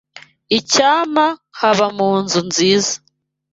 Icyampa nkaba mu nzu nziza.